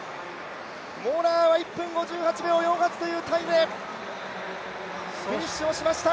モラアは１分、５８秒４８というタイム、フィニッシュをしました。